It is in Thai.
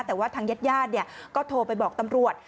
แต่ว่าทางเย็ดก็โทรไปบอกตำรวจ